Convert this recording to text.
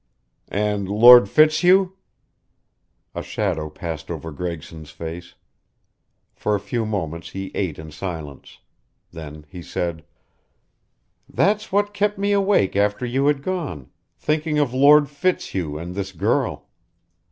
"And Lord Fitzhugh?" A shadow passed over Gregson's face. For a few moments he ate in silence. Then he said: "That's what kept me awake after you had gone thinking of Lord Fitzhugh and this girl.